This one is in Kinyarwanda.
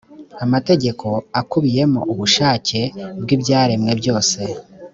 amategeko akubiyemo ubushake bw’ ibyaremwe byose